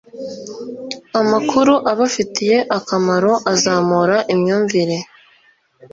amakuru abafitiye akamaro, azamura imyumvire